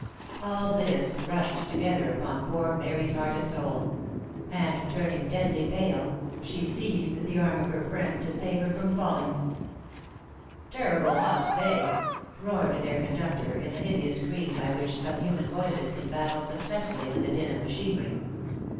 All this rushed together upon poor Mary's f heart and soul, and, turning deadly pale, she seized the arm of her friend to save herself from falling. " Terrible hot day !" roared their conductor, in the hideous scream by which some human voices can battle successfully with the din of machinery.